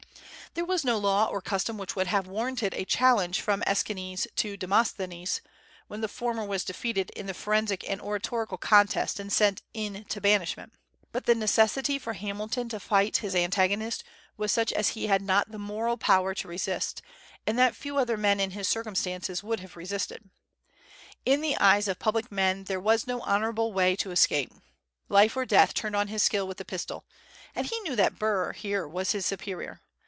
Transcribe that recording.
There was no law or custom which would have warranted a challenge from Aeschines to Demosthenes, when the former was defeated in the forensic and oratorical contest and sent into banishment. But the necessity for Hamilton to fight his antagonist was such as he had not the moral power to resist, and that few other men in his circumstances would have resisted. In the eyes of public men there was no honorable way of escape. Life or death turned on his skill with the pistol; and he knew that Burr, here, was his superior.